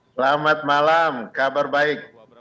selamat malam kabar baik